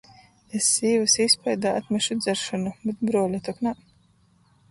Es sīvys īspaidā atmešu dzeršonu, bet bruoli tok nā